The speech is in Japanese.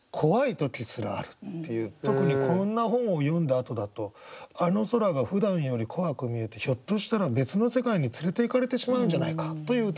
特にこんな本を読んだあとだとあの空がふだんより怖く見えてひょっとしたら別の世界に連れていかれてしまうんじゃないかという歌にしてみました。